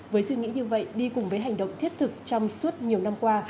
với suy nghĩ như vậy đi cùng với hành động thiết thực trong suốt nhiều năm qua